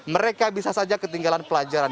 mereka bisa saja ketinggalan pelajaran